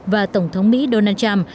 và tổng thống mỹ donald trump